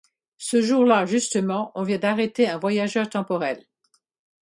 Ce jour-là, justement, on vient d'arrêter un voyageur temporel.